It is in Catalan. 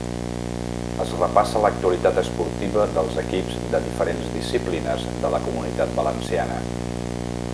Es repassa l'actualitat esportiva dels equips de diferents disciplines de la Comunitat Valenciana.